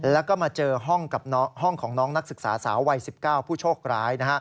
แล้วก็มาเจอห้องกับห้องของน้องนักศึกษาสาววัย๑๙ผู้โชคร้าย